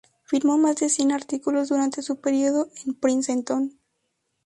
Firmó más de cien artículos durante su período en Princeton.